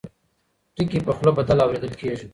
ټکي په خوله بدل اورېدل کېږي.